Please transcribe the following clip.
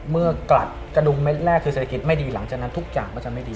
กลัดกระดุมเม็ดแรกคือเศรษฐกิจไม่ดีหลังจากนั้นทุกอย่างก็จะไม่ดี